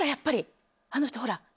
あの人ほら。